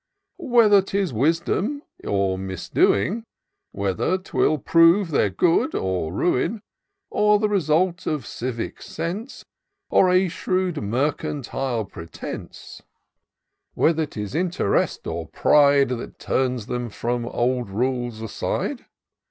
; Whether 'tis wisdom or misdoing ; Whether 'twill prove their good or ruin, Or the result of civic sense. Or a shrewd, mercantile pretence : Whether 'tis interest or pride That turns them from old rules aside ; IN SEARCH OF THE PICTURESQUE.